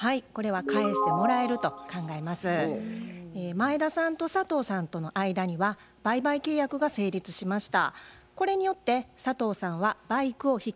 前田さんと佐藤さんとの間には売買契約が成立しました。